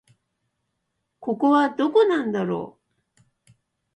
ここはどこなんだろう